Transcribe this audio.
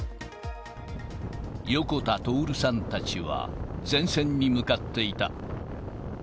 横田徹さんたちは、前線に向かっていた。